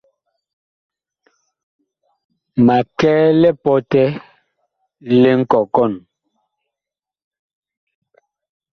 Ma kɛ lipɔtɛ li nkɔkɔn.